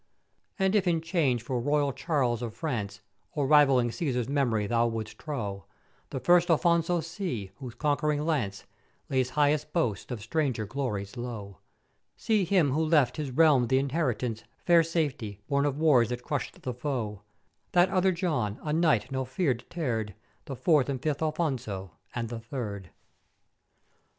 And if in change for royal Charles of France, or rivalling Cæsar's mem'ories thou wouldst trow, the first Afonso see, whose conquering lance lays highest boast of stranger glories low: See him who left his realm th' inheritance fair Safety, born of wars that crusht the foe: That other John, a knight no fear deter'd, the fourth and fifth Afonso, and the third.